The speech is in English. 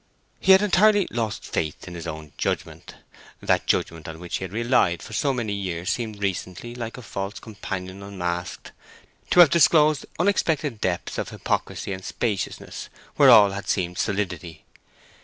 He had entirely lost faith in his own judgment. That judgment on which he had relied for so many years seemed recently, like a false companion unmasked, to have disclosed unexpected depths of hypocrisy and speciousness where all had seemed solidity.